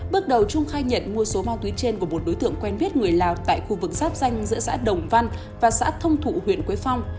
bước đầu trung khai nhận mua số ma túy trên của một đối tượng quen biết người lào tại khu vực giáp danh giữa xã đồng văn và xã thông thụ huyện quế phong